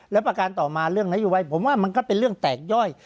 และประการต่อมาเรื่องนโยบายผมว่ามันก็เป็นเรื่องแตกย่อย